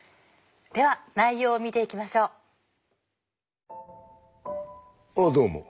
では内容を見ていきましょう。